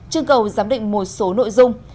chứng cầu giám định một số nội dung